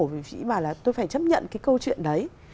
vì sĩ bảo là tôi phải chấp nhận cái câu chuyện đấy